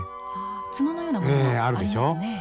角のようなものがありますね。